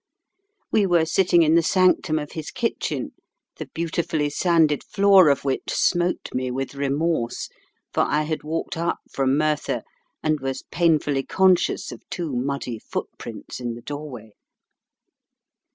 We were sitting in the sanctum of his kitchen, the beautifully sanded floor of which smote me with remorse, for I had walked up from Merthyr, and was painfully conscious of two muddy footprints in the doorway.